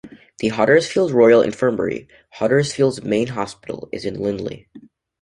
The Huddersfield Royal Infirmary, Huddersfield's main hospital, is in Lindley.